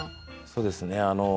そうですね。